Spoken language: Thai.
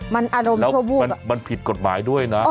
มันอารมณ์ที่เขาพูดว่าแล้วมันผิดกฎหมายด้วยนะ